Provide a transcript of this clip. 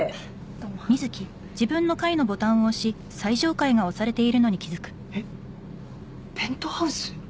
どうもえっペントハウス？